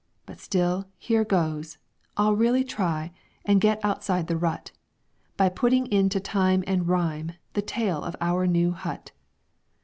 But still, here goes; I'll really try And get outside the rut, By putting into time and rhyme The tale of OUR NEW HUT.